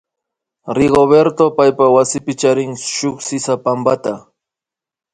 Rigoberto paypa wasipi charin shuk sisapampata